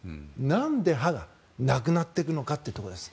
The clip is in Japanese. なんで歯がなくなっていくのかというところです。